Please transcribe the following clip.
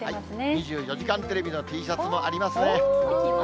２４時間テレビのＴシャツも決まってる。